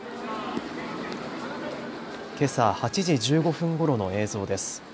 けさ８時１５分ごろの映像です。